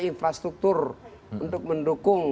infrastruktur untuk mendukung